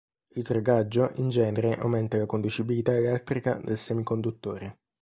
Il drogaggio in genere aumenta la conducibilità elettrica del semiconduttore.